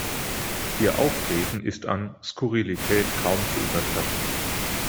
Ihr Auftreten ist an Skurrilität kaum zu übertreffen.